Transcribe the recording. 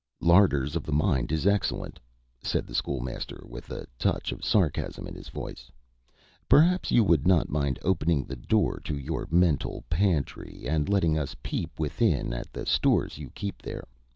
"Larders of the mind is excellent," said the School Master, with a touch of sarcasm in his voice. "Perhaps you would not mind opening the door to your mental pantry, and letting us peep within at the stores you keep there.